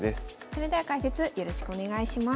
それでは解説よろしくお願いします。